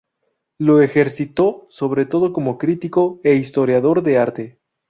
Lo ejercitó sobre todo como crítico e historiador de arte.